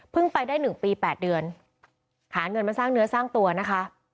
เพิ่งไปได้หนึ่งปีแปดเดือนหาเงินมาสร้างเนื้อสร้างตัวนะคะ